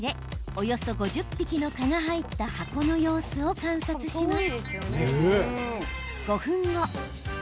およそ５０匹の蚊が入った箱の様子を観察します。